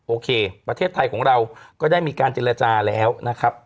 โอเคประเทศไทยของเราก็ได้มีการเจรจาแล้วนะครับ